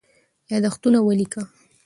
یادښتونه ولیکه.